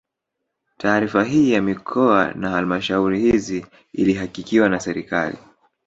Taarifa hii ya mikoa na halmashauri hizi ilihakikiwa na serikali